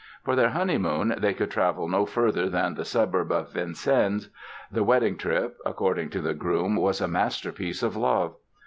For their honeymoon they could travel no further than the suburb of Vincennes. The wedding trip, according to the groom, was "a masterpiece of love".